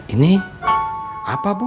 ini apa bu